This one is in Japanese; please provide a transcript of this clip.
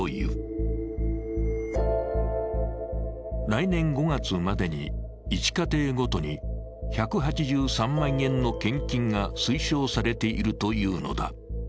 来年５月までに１家庭ごとに１８３万円の献金が推奨されているというのだ。